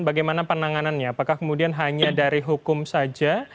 bagaimana penanganannya apakah kemudian hanya dari hukum saja